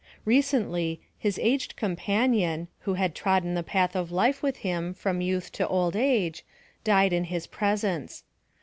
Recently, his aged companion, who had trodden the path of life with him, from youth to old age, died in his presence.